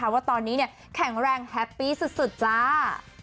ว่าตอนนี้แข็งแรงแฮปปี้สุดจ้า